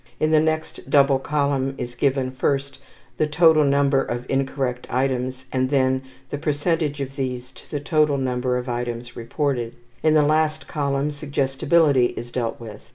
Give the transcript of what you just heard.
In the next double column is given, first, the total number of incorrect items and, then, the percentage of these to the total number of items reported. In the last column suggestibility is dealt with.